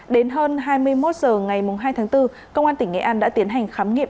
đến hơn hai mươi một h ngày hai tháng bốn công an tỉnh nghệ an đã tiến hành khám nghiệm